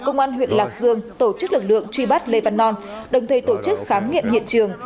công an huyện lạc dương tổ chức lực lượng truy bắt lê văn non đồng thời tổ chức khám nghiệm hiện trường